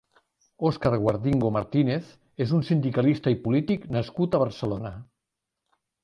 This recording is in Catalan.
Óscar Guardingo Martínez és un sindicalista i polític nascut a Barcelona.